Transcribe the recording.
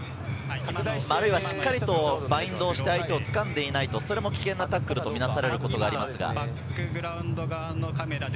あるいはしっかりとバインドをして相手をつかんでいないと危険なタックルとみなされることがあります。